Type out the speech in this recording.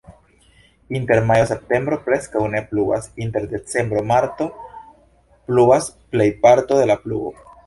Inter majo-septembro preskaŭ ne pluvas, inter decembro-marto pluvas plejparto de la pluvo.